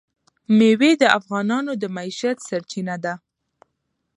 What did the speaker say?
مېوې د افغانانو د معیشت سرچینه ده.